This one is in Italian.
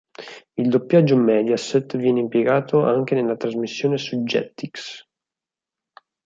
Il doppiaggio Mediaset viene impiegato anche nella trasmissione su Jetix.